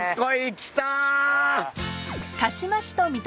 来た。